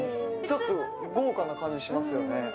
ちょっと豪華な感じしますよね。